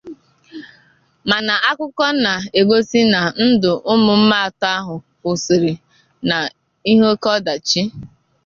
Ma'na akụkọ na egosi na ndụ ụmụ mma atọ ahụ kwụsịrị na ihe oke ọdachi.